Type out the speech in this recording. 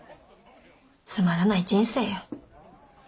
つまらない人生よ。